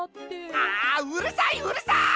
あうるさいうるさい！